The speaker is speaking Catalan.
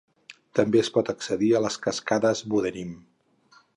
També es pot accedir a les Cascades Buderim.